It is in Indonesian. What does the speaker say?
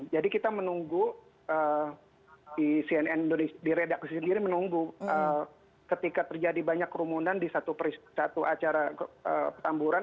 jadi kita menunggu di cnn indonesia di redaksi sendiri menunggu ketika terjadi banyak kerumunan di satu acara petamburan